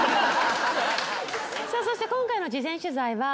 そして今回の事前取材は。